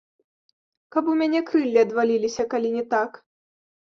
Каб у мяне крыллі адваліліся, калі не так!